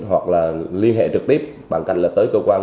hoặc là liên hệ trực tiếp bằng cách là tới cơ quan